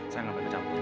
saya gak ada jawabannya